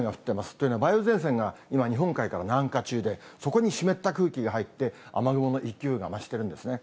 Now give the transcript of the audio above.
というのは、梅雨前線が今、日本海から南下中で、そこに湿った空気が入って、雨雲の勢いが増してるんですね。